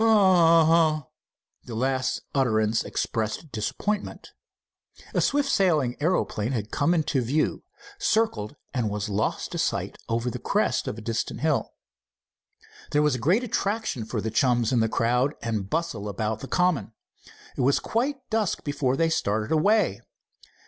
"A—a—ah!" The last utterance expressed disappointment. A swift sailing aeroplane had come into view, circled, and was lost to sight over the crest of a distant hill. There was a great attraction for the chums in the crowd and bustle about the common. It was quite dusk before they started away.